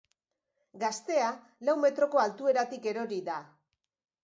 Gaztea lau metroko altueratik erori da.